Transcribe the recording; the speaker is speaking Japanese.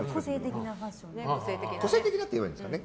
個性的だって言えばいいんですかね。